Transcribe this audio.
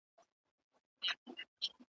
بیا به اورو له مطربه جهاني ستا غزلونه .